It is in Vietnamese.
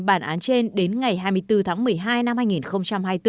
bản án trên đến ngày hai mươi bốn tháng một mươi hai năm hai nghìn hai mươi bốn